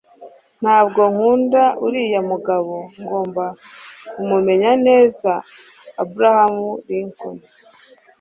ntabwo nkunda uriya mugabo. ngomba kumumenya neza. abraham lincoln